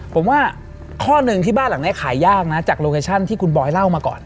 ผมว่าข้อหนึ่งที่บ้านหลังนี้ขายยากนะจากโลเคชั่นที่คุณบอยเล่ามาก่อน